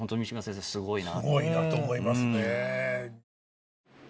すごいなと思いますね。